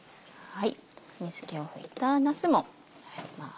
水気を拭いたなすも入ります。